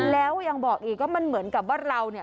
แล้วยังบอกอีกก็มันเหมือนกับว่าเรา